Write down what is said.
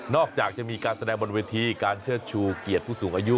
จากจะมีการแสดงบนเวทีการเชิดชูเกียรติผู้สูงอายุ